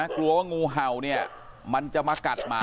กลัวว่างูเห่าเนี่ยมันจะมากัดหมา